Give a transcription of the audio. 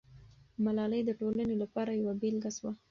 ملالۍ د ټولنې لپاره یوه بېلګه سوه.